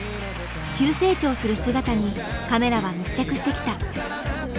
急成長する姿にカメラは密着してきた。